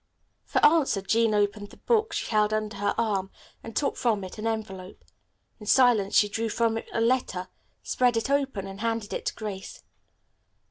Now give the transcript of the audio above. For answer Jean opened the book she held under her arm and took from it an envelope. In silence she drew from it a letter, spread it open and handed it to Grace.